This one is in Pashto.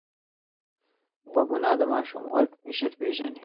غوږونه د ماشوم غږ ژر پېژني